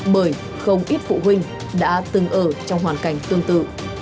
bởi không ít phụ huynh đã từng ở trong hoàn cảnh tương tự